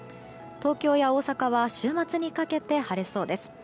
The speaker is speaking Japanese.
東京や大阪は週末にかけて晴れそうです。